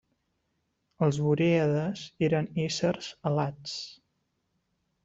Els borèades eren éssers alats.